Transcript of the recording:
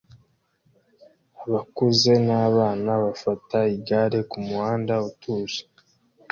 Abakuze n'abana bafata igare kumuhanda utuje